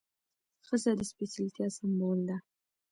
ښځه د سپېڅلتیا سمبول ده.